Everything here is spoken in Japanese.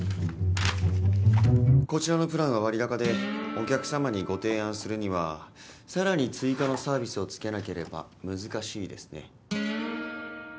こちらのプランは割高でお客様にご提案するには更に追加のサービスを付けなければ難しいですね。